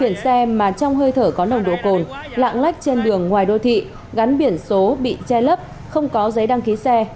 lạng lách trên đường ngoài đô thị gắn biển số bị che lấp không có giấy đăng ký xe